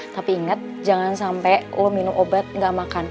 tapi inget jangan sampe lo minum obat gak makan